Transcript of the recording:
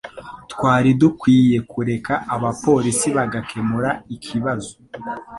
Twari dukwiye kureka abapolisi bagakemura ikibazo